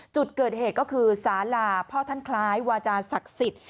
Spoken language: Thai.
จุดเกิดเหตุก็คือสาลาพ่อท่านคล้ายวาจาศักดิ์สิทธิ์